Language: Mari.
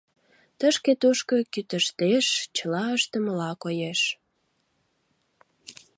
Тышке-тушко кӱтыштеш — чыла ыштымыла коеш.